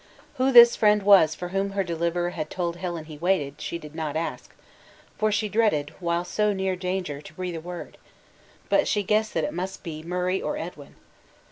Who this friend was for whom her deliverer had told Helen he waited, she did not ask; for she dreaded, while so near danger, to breathe a word; but she guessed that it must either be Murray or Edwin.